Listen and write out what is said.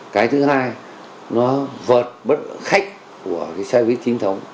cái thứ hai nó vợt bất khách của cái xe buýt trình thống